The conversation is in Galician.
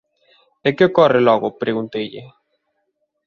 E que ocorre logo? –pregunteille.